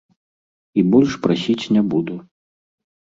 І больш прасіць не буду.